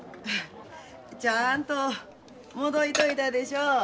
ちゃんと戻いといたでしょう。